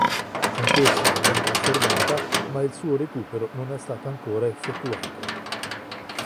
Anch'essa è ben conservata, ma il suo recupero non è stato ancora effettuato.